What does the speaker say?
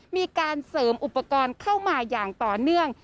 มีการเสริมอุปกรณ์เข้ามาอย่างต่อเนื่อง